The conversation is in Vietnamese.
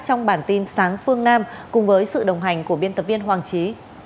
trong bản tin sáng phương nam cùng với sự đồng hành của biên tập viên hoàng trí